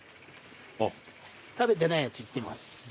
食べてないやついってみます。